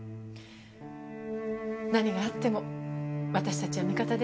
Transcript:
何があっても私たちは味方ですから。